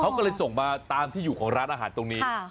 เขาก็เลยส่งมาตามที่อยู่ของร้านอาหารตรงนี้